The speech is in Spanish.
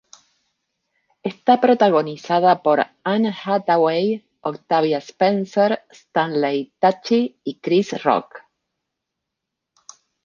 Está protagonizada por Anne Hathaway, Octavia Spencer, Stanley Tucci y Chris Rock.